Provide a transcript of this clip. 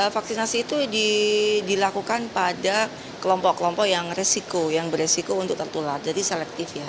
vaksinasi itu dilakukan pada kelompok kelompok yang resiko yang beresiko untuk tertular jadi selektif ya